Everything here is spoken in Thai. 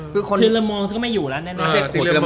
ถือสมองก็ไม่อยู่ล่ะแน่